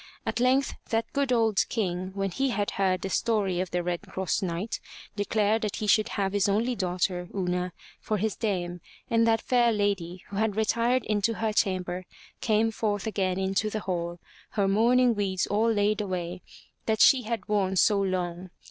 At length that good old King, when he had heard the story of the Red Cross Knight, declared that he should have his only daughter, Una, for his dame, and that fair lady who had retired into her chamber came forth again into the hall, her mourning weeds all laid away, that she had worn so long.